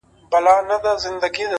چي لــه ژړا سره خبـري كوم!!